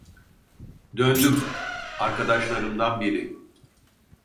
Döndüm: Arkadaşlarımdan biri.